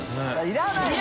いらない！